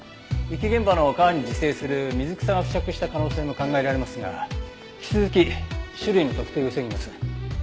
遺棄現場の川に自生する水草が付着した可能性も考えられますが引き続き種類の特定を急ぎます。